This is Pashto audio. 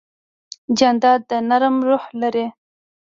جانداد د نرمه روح لري.